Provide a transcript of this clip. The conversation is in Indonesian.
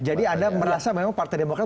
jadi anda merasa memang partai demokrat